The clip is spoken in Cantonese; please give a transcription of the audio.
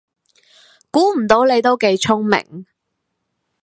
估唔到你都幾聰明